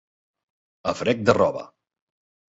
A frec de roba.